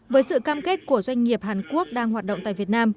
với sự cam kết của doanh nghiệp hàn quốc đang hoạt động tại việt nam